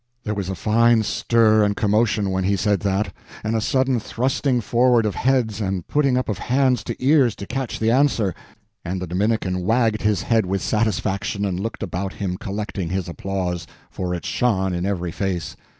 There was a fine stir and commotion when he said that, and a sudden thrusting forward of heads and putting up of hands to ears to catch the answer; and the Dominican wagged his head with satisfaction, and looked about him collecting his applause, for it shone in every face.